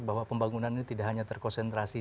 bahwa pembangunan ini tidak hanya terkonsentrasi